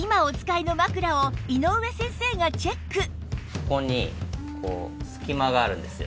そこで今ここに隙間があるんですよ。